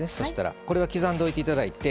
これは刻んでおいていただいて。